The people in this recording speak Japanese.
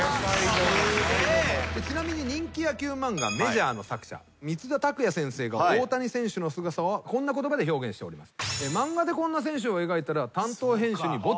ちなみに人気野球漫画『ＭＡＪＯＲ』の作者満田拓也先生が大谷選手のすごさはこんな言葉で表現しております。